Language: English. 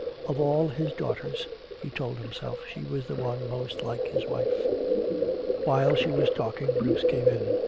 Of all his daughters, he told himself, she was the one most like his wife. While she was talking Bruce came in.